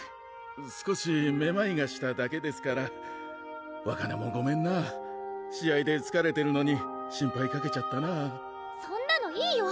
少しめまいがしただけですからわかなもごめんな試合でつかれてるのに心配かけちゃったなそんなのいいよ